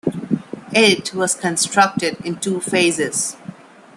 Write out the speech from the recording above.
It was constructed in two phases.